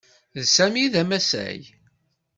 D Sami ay d amasay.